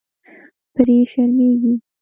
پرې شرمېږي.